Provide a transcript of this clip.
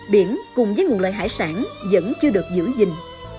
biển cùng với nguồn loại hải sản vẫn chưa được giữ gìn